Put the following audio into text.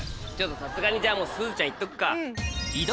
さすがにじゃあもうすずちゃんいっとくか。